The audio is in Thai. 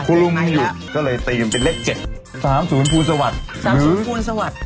คลุมหยุดก็เลยตีมเป็นเลขเจ็ดสามศูนย์ภูมิสวัสดิ์สามศูนย์ภูมิสวัสดิ์